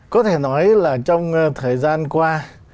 có thể nói là trong thời gian qua